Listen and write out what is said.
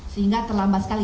sehingga terlambat sekali